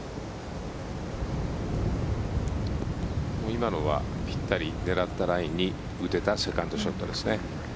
今のはぴったり狙ったラインに打てたセカンドショットですね。